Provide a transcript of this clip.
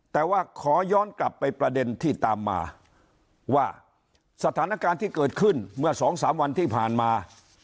แต่ว่าขอย้อนกลับไปประเด็นที่ตามมาว่าสถานการณ์ที่เกิดขึ้นเมื่อสองสามวันที่ผ่านมา